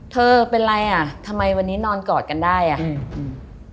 เธอเป็นไรอ่ะทำไมวันนี้นอนกอดกันได้อ่ะอืม